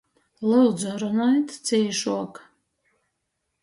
Lyudzu, runojit cīšuok!